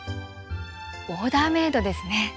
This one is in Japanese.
オーダーメイドですね。